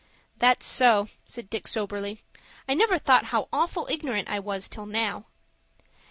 "That's so," said Dick, soberly. "I never thought how awful ignorant I was till now."